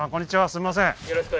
すいません